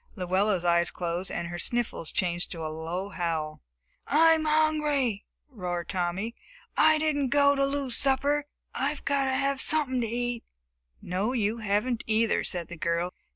Luella's eyes closed and her sniffles changed to a low howl. "I'm hungry!" roared Tommy. "I didn't go to lose the supper. I gotta have sumpin' to eat!" "No, you haven't either," said the girl.